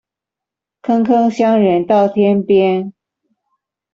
坑坑相連到天邊